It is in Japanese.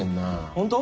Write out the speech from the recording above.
本当？